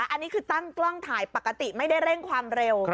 อันนี้คือตั้งกล้องถ่ายปกติไม่ได้เร่งความเร็ว